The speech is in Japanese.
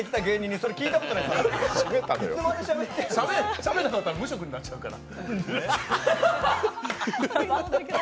しゃべらなかったら無職になっちゃうから。